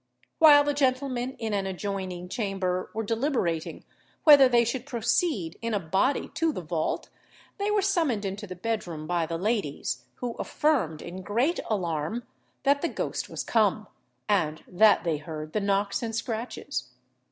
While the gentlemen in an adjoining chamber were deliberating whether they should proceed in a body to the vault, they were summoned into the bedroom by the ladies, who affirmed, in great alarm, that the ghost was come, and that they heard the knocks and scratches.